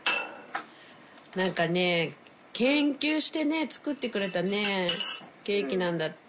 何かねぇ研究してね作ってくれたねケーキなんだって！